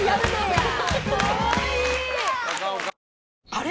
あれ？